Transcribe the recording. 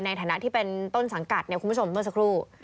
ในฐานะที่เป็นต้นสังกัดเนี่ยคุณผู้ชมเมื่อสักครู่